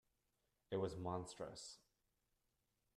It was monstrous.